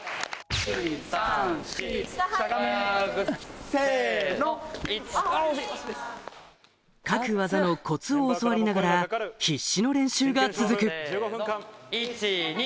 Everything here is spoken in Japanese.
・３・４・・せの・各技のコツを教わりながら必死の練習が続く・１・２